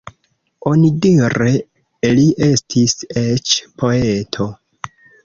Onidire li estis eĉ poeto.